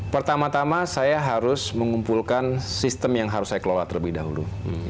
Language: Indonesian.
pertama tama saya harus mengumpulkan sistem yang harus saya kelola terlebih dahulu